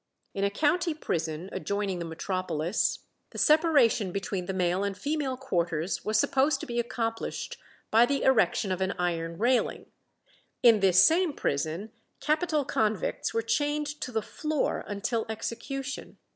In a county prison adjoining the metropolis, the separation between the male and female quarters was supposed to be accomplished by the erection of an iron railing; in this same prison capital convicts were chained to the floor until execution.